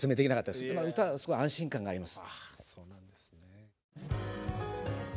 でも歌はすごい安心感があります。